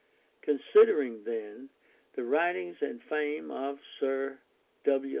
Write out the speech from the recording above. Considering, then, the writings and fame of Sir W.